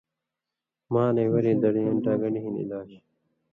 مالَیں وریں دڑیں ڈاگن٘ڈی ہِن علاج